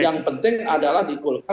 yang penting adalah di golkar